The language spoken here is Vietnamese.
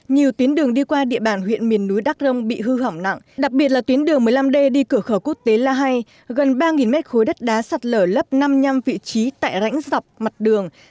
nhiều tuyến đường đi qua địa bàn huyện miền núi đắc rông bị hư hỏng nặng đặc biệt là tuyến đường một mươi năm d đi cửa khẩu quốc tế la hai gần ba mét khối đất đá sạt lở lấp năm vị trí tại rãnh dọc mặt đường